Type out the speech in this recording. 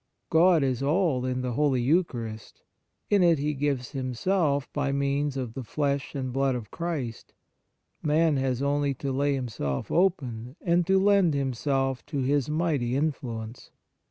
God is all in the Holy Eucharist ; in it He gives Himself by means of the Flesh and Blood of Christ ; man has only to lay himself open and to lend him self to His mighty influence.